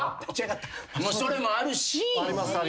それもあるし。